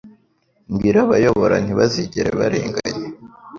Mbwire abayobora ntibazigere barenganya,